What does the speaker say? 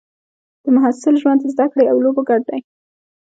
د محصل ژوند د زده کړې او لوبو ګډ دی.